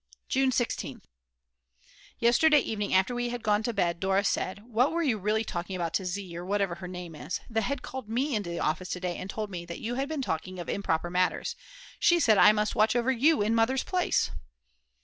June 16th. Yesterday evening after we had gone to bed, Dora said: "What were you really talking about to Z., or whatever her name is? The head called me into the office to day and told me that you had been talking of improper matters. She said I must watch over you in _Mother's place!